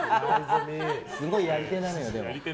すごいやり手なのよ、でも。